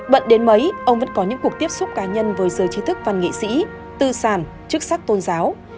bận đến mấy ông vẫn có những cuộc tiếp xúc cá nhân với giới chí thức và nghị sĩ tư sản chức sắc tôn giáo